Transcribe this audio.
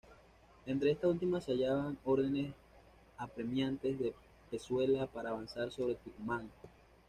Entre esta última se hallaban órdenes apremiantes de Pezuela para avanzar sobre Tucumán.